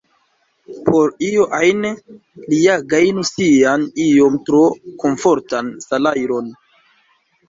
Por io ajn li ja gajnu sian iom tro komfortan salajron.